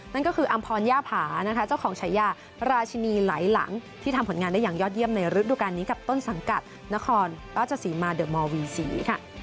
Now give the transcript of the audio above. นั่นก็คืออำพรย่าผานะคะเจ้าของฉายาราชินีไหลหลังที่ทำผลงานได้อย่างยอดเยี่ยมในฤดูการนี้กับต้นสังกัดนครราชสีมาเดอร์มอร์วีซีค่ะ